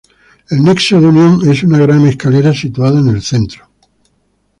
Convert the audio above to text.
El nexo de unión es una gran escalera situada en en centro.